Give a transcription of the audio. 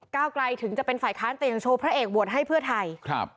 ๖ก้าวไกรถึงจะเป็นฝ่ายค้าแต่ยังโชว์พระเอกโบสถ์ให้เพื่อไทย